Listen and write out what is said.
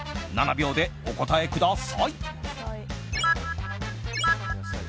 ７秒でお答えください。